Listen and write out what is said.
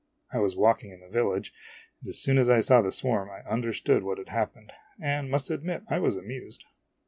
I was walk ing in the village, and as soon as I saw the swarm I understood what had happened, and must admit I was amused.